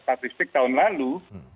statistik tahun lalu